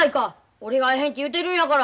俺が会えへんて言うてるんやから！